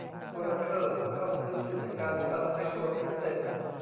ออราเคิลเข้าซื้อกิจการซันไมโครซิสเต็มส์